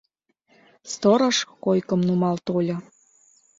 Сторож койкым нумал тольо.